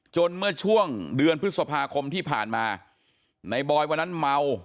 เมื่อช่วงเดือนพฤษภาคมที่ผ่านมาในบอยวันนั้นเมา